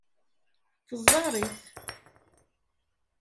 Teẓẓar-it.